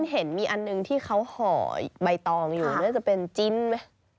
เห็นมีอันหนึ่งที่เขาห่อใบตองอยู่น่าจะเป็นจิ้นไหม